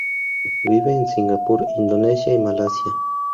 Vive en Singapur, Indonesia y Malasia.